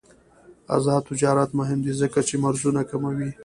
آزاد تجارت مهم دی ځکه چې مرزونه کموي.